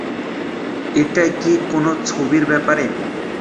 এটা কি কোন ছবির ব্যাপারে?